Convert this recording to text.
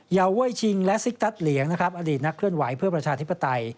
เว้ยชิงและซิกตัสเหลียงนะครับอดีตนักเคลื่อนไหวเพื่อประชาธิปไตย